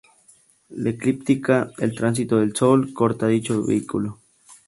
La eclíptica, el tránsito del sol, corta dicho vínculo.